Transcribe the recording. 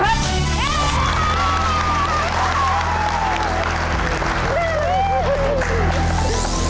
น้องสาว